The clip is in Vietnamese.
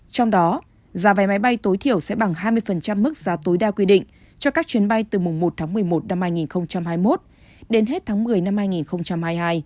trong đó giá vé máy bay tối thiểu sẽ bằng hai mươi mức giá tối đa quy định cho các chuyến bay từ mùng một tháng một mươi một năm hai nghìn hai mươi một đến hết tháng một mươi năm hai nghìn hai mươi hai